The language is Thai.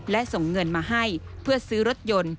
และส่งเงินมาให้เพื่อซื้อรถยนต์